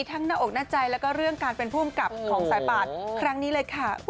ทั้งหน้าอกหน้าใจแล้วก็เรื่องการเป็นภูมิกับของซ้ายป่านครั้งนี้เลย